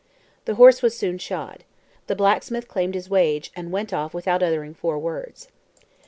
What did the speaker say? The horse was soon shod. The blacksmith claimed his wage, and went off without uttering four words.